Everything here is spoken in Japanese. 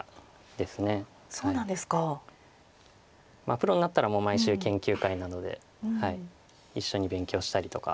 プロになったら毎週研究会などで一緒に勉強したりとか。